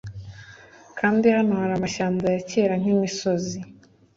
Kandi hano hari amashyamba ya kera nkimisozi